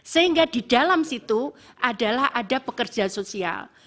sehingga di dalam situ adalah ada pekerja sosial